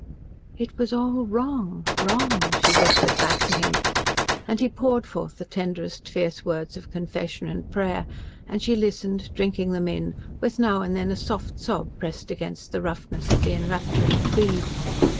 "It was all wrong wrong!" she whispered back to him, and he poured forth the tenderest, fierce words of confession and prayer, and she listened, drinking them in, with now and then a soft sob pressed against the roughness of the enrapturing tweed.